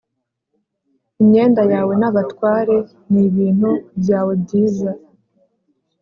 imyenda yawe nabatware n ibintu byawe byiza